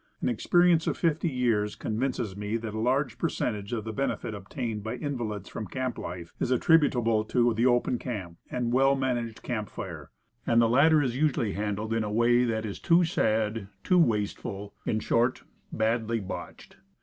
An experience of fifty years convinces me that a large percentage of the benefit obtained by invalids from camp life is attributable to the open camp and The "Guides Camp" 41 well managed camp fire. And the latter is usually handled in a way that is too sad, too wasteful; itf short, badly botched.